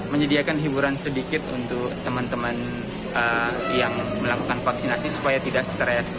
menyediakan hiburan sedikit untuk teman teman yang melakukan vaksinasi supaya tidak stres